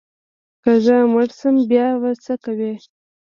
که زه مړ شم بیا به څه کوې؟